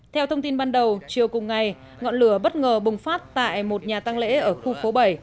theo thông tin ban đầu chiều cùng ngày ngọn lửa bất ngờ bùng phát tại một nhà tăng lễ ở khu phố bảy